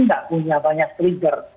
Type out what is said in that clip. nggak punya banyak trigger